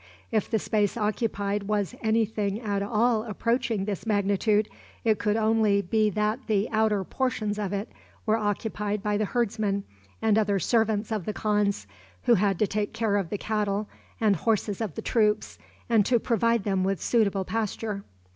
If the space occupied was any thing at all approaching this magnitude, it could only be that the outer portions of it were occupied by the herdsmen and other servants of the khans, who had to take care of the cattle and horses of the troops, and to provide them with suitable pasture.